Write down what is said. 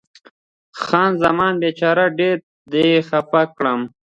خان زمان: بیچاره، ډېر دې خفه کړم.